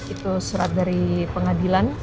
itu surat dari pengadilan